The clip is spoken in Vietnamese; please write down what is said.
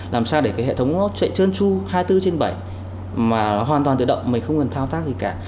làm sao để cái hệ thống nó chạy trơn tru hai mươi bốn trên bảy mà hoàn toàn tự động mình không cần thao tác gì cả